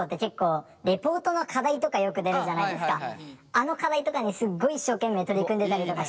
あの課題とかにすっごい一生懸命取り組んでたりとかして。